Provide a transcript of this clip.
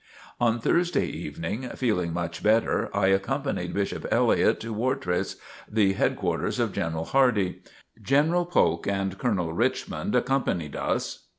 On Thursday morning, feeling much better, I accompanied Bishop Elliott to Wartrace, the headquarters of General Hardee. General Polk and Colonel Richmond accompanied us.